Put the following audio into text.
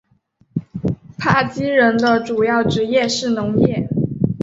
帕基人的主要职业是农业。